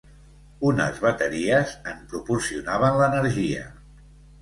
Unes bateries en proporcionaven l'energia.